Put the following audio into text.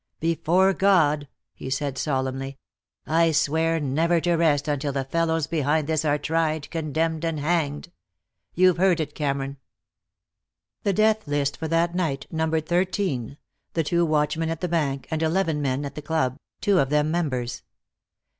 "Before God," he said solemnly, "I swear never to rest until the fellows behind this are tried, condemned and hanged. You've heard it, Cameron." The death list for that night numbered thirteen, the two watchmen at the bank and eleven men at the club, two of them members.